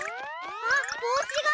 あっぼうしが！